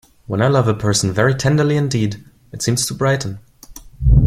When I love a person very tenderly indeed, it seems to brighten.